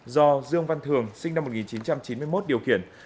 do dương văn thường sinh năm một nghìn chín trăm chín mươi một điều khiển